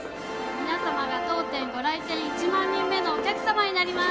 皆様が当店ご来店１万人目のお客様になります。